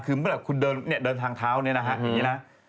คือเมื่อคุณเดินทางเท้าเนี่ยนะฮะ